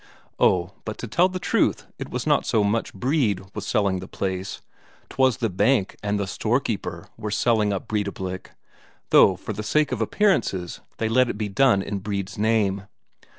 Oh, but to tell the truth it was not so much Brede was selling the place; 'twas the Bank and the storekeeper were selling up Breidablik, though for the sake of appearances they let it be done in Brede's name.